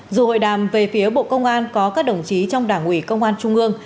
dù hội đàm về phía bộ công an có các đồng chí trong đảng ủy công an trung ương